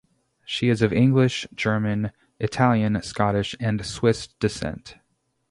She is of English, German, Italian, Scottish, and Swiss descent.